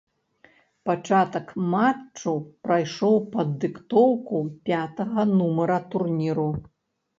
Пачатак матчу прайшоў пад дыктоўку пятага нумара турніру.